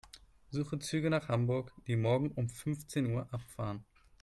Suche Züge nach Hamburg, die morgen um fünfzehn Uhr abfahren.